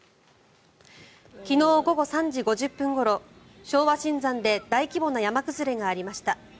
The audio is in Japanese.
昨日午後３時５０分ごろ昭和新山で大規模な山崩れがありました。